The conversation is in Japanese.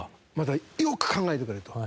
よく考えてくれと。